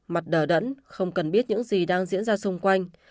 mặt đờ đẫn không cần biết những gì đang diễn ra xung quanh